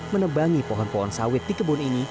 menebangi pohon pohon sawit di kebun ini